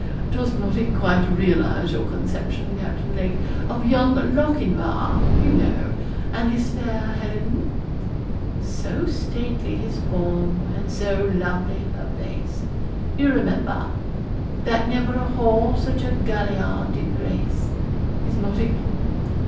Does not it quite realise your conception, Captain Lake, of young Lochinvar, you know, and his fair Helen So stately his form and so lovely her face You remember 'That never a hall such a galliard did grace. Is not it?'